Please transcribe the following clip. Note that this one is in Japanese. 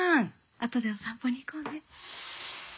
あとでお散歩に行こうね。